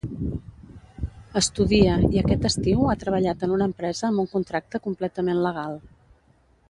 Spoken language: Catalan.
Estudia, i aquest estiu ha treballat en una empresa amb un contracte completament legal.